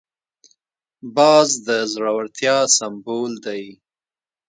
باز د زړورتیا سمبول دی